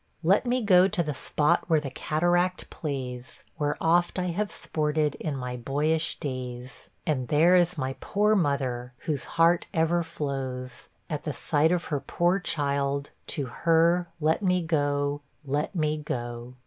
Let me go to the spot where the cateract plays, Where oft I have sported in my boyish days; And there is my poor mother, whose heart ever flows, At the sight of her poor child, to her let me go, let me go!